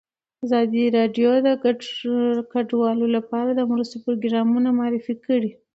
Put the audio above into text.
ازادي راډیو د کډوال لپاره د مرستو پروګرامونه معرفي کړي.